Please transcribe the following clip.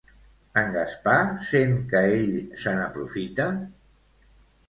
En Gaspar sent que ell se n'aprofita?